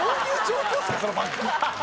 その番組。